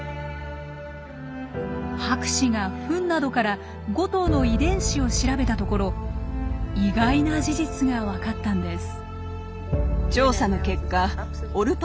博士が糞などから５頭の遺伝子を調べたところ意外な事実が分かったんです。